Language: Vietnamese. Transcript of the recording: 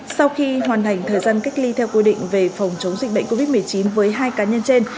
sau khi hoàn thành thời gian cách ly theo quy định về phòng chống dịch bệnh covid một mươi chín với hai cá nhân trên